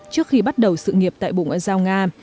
trước khi bắt đầu sự nghiệp tại bộ ngoại giao nga